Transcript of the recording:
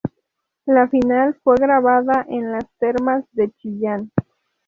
La final fue grabada en Las Termas de Chillán.